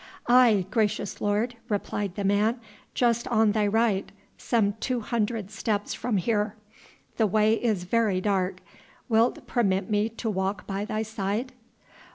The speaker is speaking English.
"Aye, gracious lord," replied the man, "just on thy right, some two hundred steps from here. The way is very dark, wilt permit me to walk by thy side?"